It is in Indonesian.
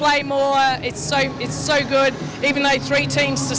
dan melihat energi kami